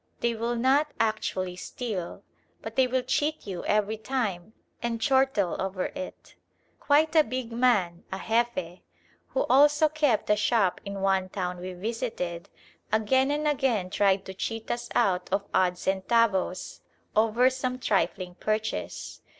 They will not actually steal, but they will cheat you every time and chortle over it. Quite a big man, a Jefe, who also kept a shop in one town we visited, again and again tried to cheat us out of odd centavos over some trifling purchase.